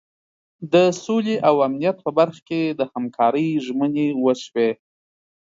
د سولې او امنیت په برخه کې د همکارۍ ژمنې وشوې.